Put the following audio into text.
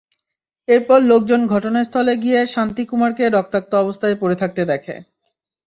এরপর লোকজন ঘটনাস্থলের গিয়ে শান্তি কুমারকে রক্তাক্ত অবস্থায় পড়ে থাকতে দেখে।